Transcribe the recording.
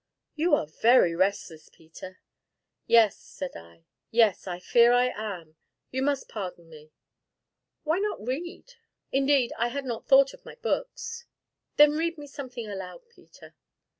"You are very restless, Peter!" "Yes," said I; "yes, I fear I am you must pardon me " "Why not read?" "Indeed I had not thought of my books." "Then read me something aloud, Peter."